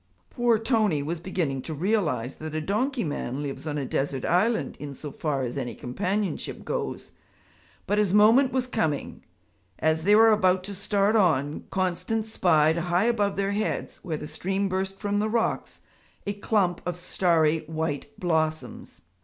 Poor Tony was beginning to realize that a donkey man lives on a desert island in so far as any companionship goes. But his moment was coming. As they were about to start on, Constance spied high above their heads, where the stream burst from the rocks, a clump of starry white blossoms.